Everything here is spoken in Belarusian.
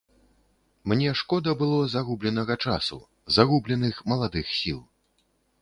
Мне шкода было загубленага часу, загубленых маладых сіл.